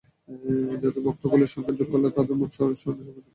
যাঁদের ভক্তকুলের সংখ্যা যোগ করলে ভারতের মোট জনসংখ্যার অর্ধেকের বেশি ছাড়িয়ে যাবে।